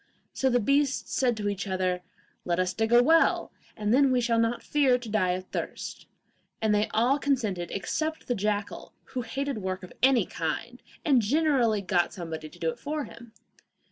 So the beasts said to each other, 'Let us dig a well, and then we shall not fear to die of thirst;' and they all consented except the jackal, who hated work of any kind, and generally got somebody to do it for him.